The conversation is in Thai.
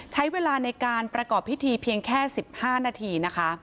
ใช้เวลาในการประกอบพิธีเพียงแค่๑๕นาทีนะคะ